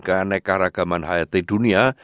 keaneka ragaman hlt dunia